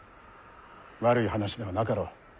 悪い話ではなかろう？